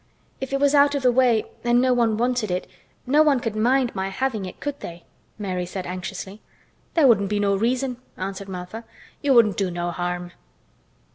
"If it was out of the way and no one wanted it, no one could mind my having it, could they?" Mary said anxiously. "There wouldn't be no reason," answered Martha. "You wouldn't do no harm."